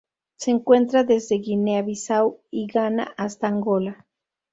Se encuentra desde Guinea Bissau y Ghana hasta Angola.